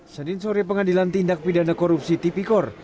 senin sore pengadilan tindak pidana korupsi tipikor